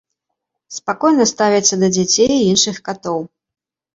Спакойна ставіцца да дзяцей і іншых катоў.